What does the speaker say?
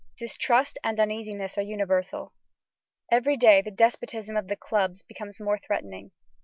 Distrust and uneasiness are universal. Every day the despotism of the clubs becomes more threatening.